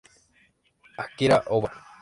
Akira Oba